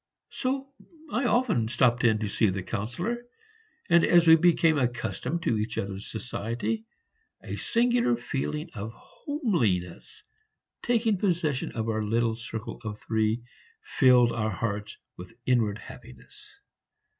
So I often stepped in to see the Councillor; and as we became accustomed to each other's society, a singular feeling of homeliness, taking possession of our little circle of three, filled our hearts with inward happiness.